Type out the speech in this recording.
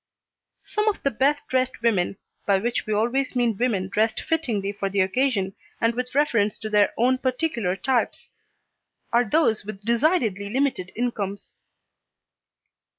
Some of the best dressed women (by which we always mean women dressed fittingly for the occasion, and with reference to their own particular types) are those with decidedly limited incomes.